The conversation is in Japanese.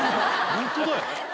ホントだよ。